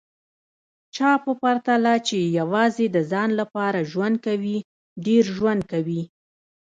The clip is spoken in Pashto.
چا په پرتله چي یوازي د ځان لپاره ژوند کوي، ډېر ژوند کوي